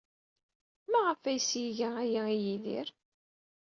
Maɣef ay as-iga aya i Yidir?